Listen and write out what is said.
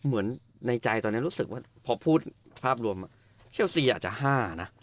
เหมือนในใจตอนนี้รู้สึกว่าพอพูดภาพรวมเชลซีอาจจะ๕นะ